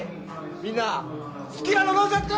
みんな好きなの飲んじゃって！